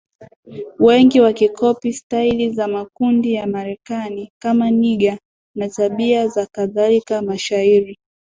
wengi wakikopi staili za makundi ya Marekani kama nigga na tabia na kadhalika mashairi